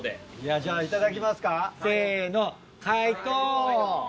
じゃあいただきますかせの。